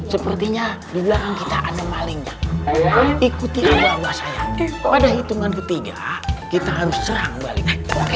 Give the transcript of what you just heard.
sepertinya di belakang kita ada malingnya ikuti oleh allah saya pada hitungan ketiga kita harus serang balik